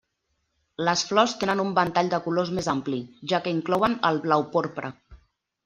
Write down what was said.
Les flors tenen un ventall de colors més ampli, ja que inclouen el blau-porpra.